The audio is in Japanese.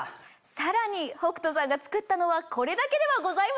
さらに北斗さんが作ったのはこれだけではございません。